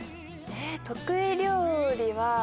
得意料理は。